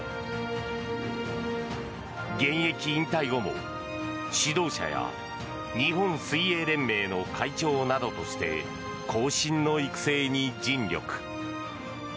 現役引退後も指導者や日本水泳連盟の会長などとして後進の育成に尽力。